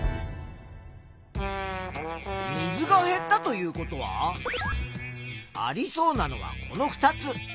水が減ったということはありそうなのはこの２つ。